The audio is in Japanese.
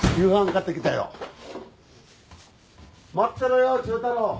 待ってろよ忠太郎。